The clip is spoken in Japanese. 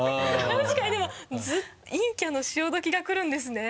確かにでも陰キャの潮時がくるんですね。